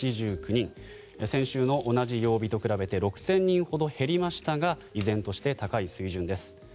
先週の同じ曜日と比べて６０００人ほど減りましたが依然として高い水準です。